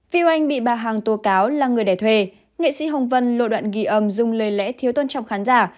vì hoàng bị bà hằng tố cáo là người đẻ thuê nghị sĩ hồng vân lộ đoạn ghi âm dung lời lẽ thiếu tôn trọng khán giả